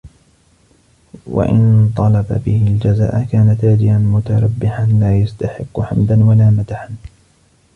وَإِنْ طَلَبَ بِهِ الْجَزَاءَ كَانَ تَاجِرًا مُتَرَبِّحًا لَا يَسْتَحِقُّ حَمْدًا وَلَا مَدْحًا